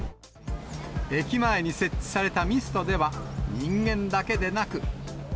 駅前に設置されたミストでは、人間だけでなく。